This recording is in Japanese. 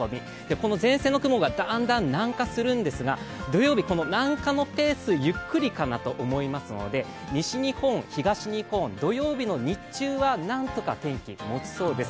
この前線の雲がだんだん南下するんですが、土曜日、南下のペースゆっくりかなと思いますので、西日本、東日本、土曜日日中はなんとか天気がもちそうです